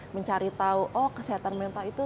mencari tahu oh kesehatan mental itu